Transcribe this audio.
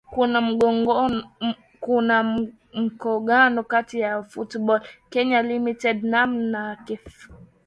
kuna mgongano kati ya football kenya limited naam na kff